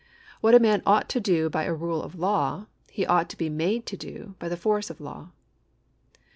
What a man ought to do by a rule of law, he ought to be made to do by the force of law.